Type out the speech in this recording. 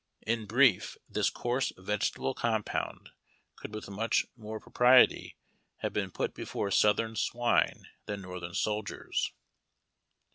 In brief, this coarse vegetable compound could with much more propriety have been put before Southern swine than Northern soldiers.